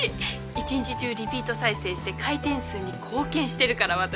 一日中リピート再生して回転数に貢献してるから私。